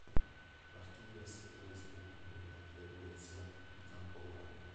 L'archivio ha sede a Lisbona, nella freguesia di Campo Grande.